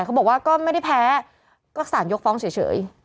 เขาบอกว่าก็ไม่ได้แพ้ก็สารยกฟ้องเฉย